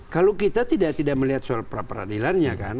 kalau kita tidak tidak melihat soal prapradilannya kan